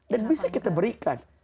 dan bisa kita berikan